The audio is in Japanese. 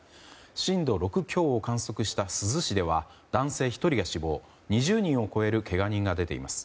震度６強を観測した珠洲市では男性１人が死亡、２０人を超えるけが人が出ています。